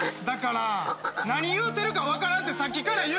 だから何言うてるか分からんてさっきから。